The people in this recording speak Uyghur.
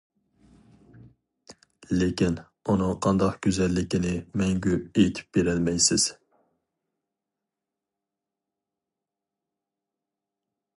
لېكىن ئۇنىڭ قانداق گۈزەللىكىنى مەڭگۈ ئېيتىپ بېرەلمەيسىز.